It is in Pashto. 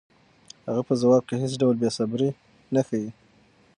هغه په ځواب کې هېڅ ډول بېصبري نه ښيي.